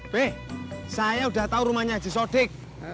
be saya udah tau rumahnya haji sodiq